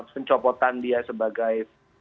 pencopotan dia sebagai